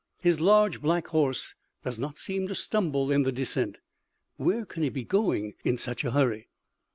"His large black horse does not seem to stumble in the descent.... Where can he be going in such a hurry?"